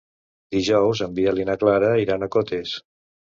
Dijous en Biel i na Clara iran a Cotes.